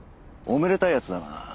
おめでたいヤツだな。